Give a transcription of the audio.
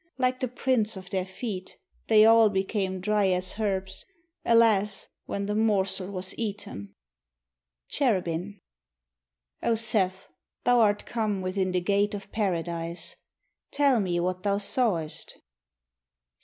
Like the prints of their feet, They all became dry as herbs, Alas, when the morsel was eaten. Cherubin O Seth, thou art come Within the gate of Paradise: Tell me what thou sawest.